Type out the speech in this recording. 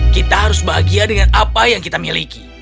kita harus bahagia dengan apa yang kita miliki